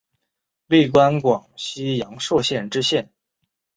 历官广西阳朔县知县。